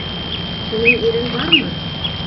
Һинең ирең бармы?